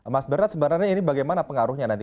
mas berat sebenarnya ini bagaimana pengaruhnya nanti